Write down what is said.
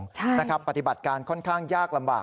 ใช่นะครับปฏิบัติการค่อนข้างยากลำบาก